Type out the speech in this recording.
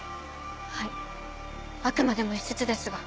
はいあくまでも一説ですが。